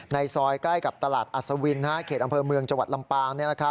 ในซอยใกล้กับตลาดอัศวินเขตอำเภอเมืองจังหวัดลำปาง